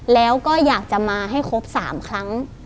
แล้วก็อยากจะมาให้ครบ๓ครั้ง